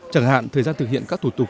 chẳng hạn thời gian thực hiện các thủ tục